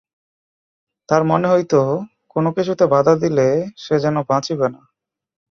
তাঁর মনে হইত, কোনো কিছুতে বাধা দিলে সে যেন বাঁচিবে না।